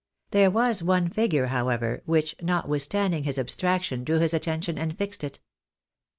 There was one figure, however, which, notwithstanding his ab straction, drew his attention and fixed it.